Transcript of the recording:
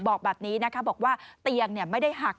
บอกแบบนี้นะคะบอกว่าเตียงไม่ได้หัก